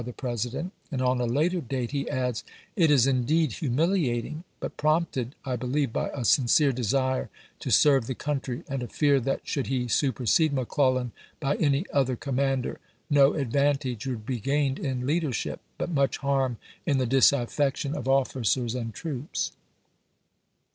the President, and on a later date he adds :" It is indeed humiliating, but prompted, I believe, by a sincere desire to serve the country, and a fear that should he supersede McClellan by any other com mander no advantage would be gained in leader ship, but much harm in the disaffection of officers Ibid., p 470. and troops."